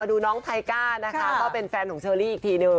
ดูน้องไทก้านะคะก็เป็นแฟนของเชอรี่อีกทีนึง